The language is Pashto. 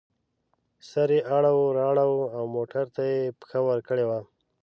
سر یې اړو را اړوو او موټر ته یې پښه ورکړې وه.